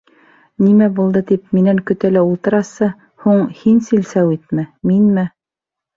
Нимә булды тип, минән көтә лә ултырасы? һуң, һин силсәүитме, минме?